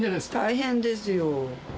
大変ですよ。